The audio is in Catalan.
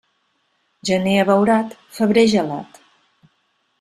Gener abeurat, febrer gelat.